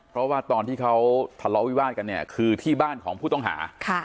เพราะว่าตอนที่เขาทะเลาะวิวาสกันเนี่ยคือที่บ้านของผู้ต้องหา